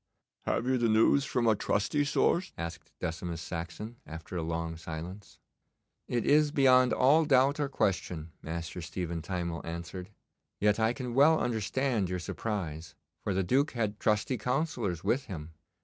'Have you the news from a trusty source?' asked Decimus Saxon, after a long silence. 'It is beyond all doubt or question,' Master Stephen Timewell answered. 'Yet I can well understand your surprise, for the Duke had trusty councillors with him.